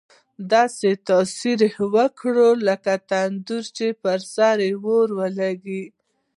داسې تاثیر یې وکړ، لکه تندر چې پر سر راولوېږي.